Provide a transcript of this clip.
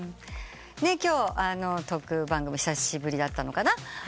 今日トーク番組久しぶりだったのかな？